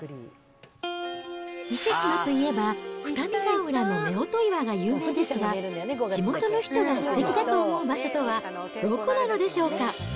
伊勢志摩といえば、二見ヶ浦の夫婦岩が有名ですが、地元の人がすてきだと思う場所とは、どこなのでしょうか。